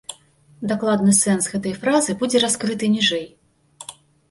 Дакладны сэнс гэтай фразы будзе раскрыты ніжэй.